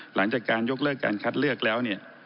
หลังจากการยกเลิกการคัดเลือกแล้วเนี่ย